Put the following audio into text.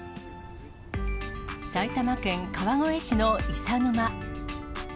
埼玉県川越市の伊佐沼。